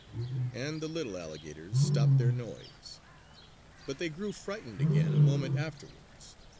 And the little alligators stopped their noise. But they grew frightened again a moment afterwards.